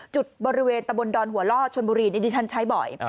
จุดบริเวณตะบนดอนหัวล่อชนบุรีนี่ฉันใช้บ่อย